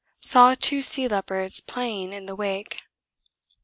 Saw two sea leopards playing in the wake.